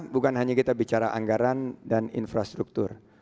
bukan hanya kita bicara anggaran dan infrastruktur